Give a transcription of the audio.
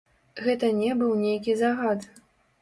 Гэта не быў нейкі загад.